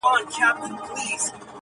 یو عادت او کمال زما زښت خوښ دی